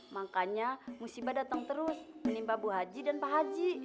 makanya musibah datang terus menimpa bu haji dan pak haji